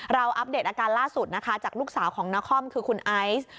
เราอัปเดตอาการล่าสุดจากลูกสาวของนาคอมคือคุณไอซ์